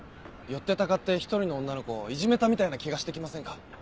寄ってたかって１人の女の子をいじめたみたいな気がして来ませんか？